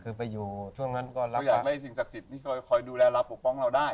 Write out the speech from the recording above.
คือไปอยู่ช่วงนั้นก็เราอยากได้สิ่งศักดิ์สิทธิ์ที่คอยดูแลเราปกป้องเราได้